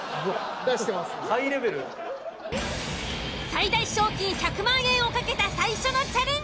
最大賞金１００万円を懸けた。